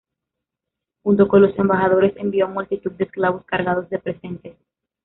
Junto con los embajadores, envió multitud de esclavos cargados de presentes.